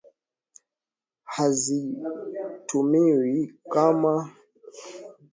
hazitumiwi kwa namna moja kati ya majimbo haya mapambano